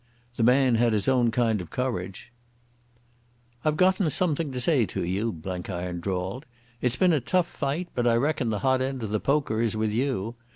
The man had his own kind of courage. "I've gotten something to say to you," Blenkiron drawled. "It's been a tough fight, but I reckon the hot end of the poker is with you.